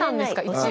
一応。